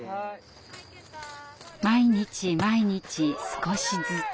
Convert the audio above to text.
毎日毎日少しずつ。